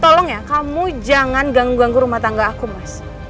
tolong ya kamu jangan ganggu ganggu rumah tangga aku mas